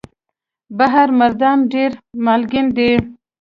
بحر مردار ډېر مالګین دی.